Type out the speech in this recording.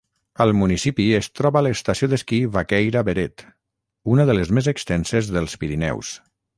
Al municipi es troba l'estació d'esquí Vaquèira-Beret, una de les més extenses dels Pirineus.